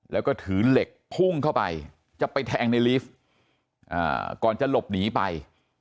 แล้วก็ถือเหล็กพุ่งเข้าไปจะไปแทงในลีฟก่อนจะหลบหนีไป